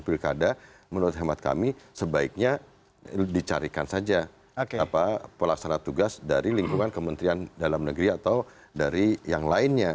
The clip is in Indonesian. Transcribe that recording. pilkada menurut hemat kami sebaiknya dicarikan saja pelaksana tugas dari lingkungan kementerian dalam negeri atau dari yang lainnya